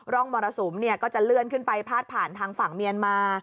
มรสุมก็จะเลื่อนขึ้นไปพาดผ่านทางฝั่งเมียนมา